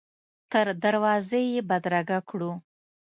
تر دروازې یې بدرګه کړو.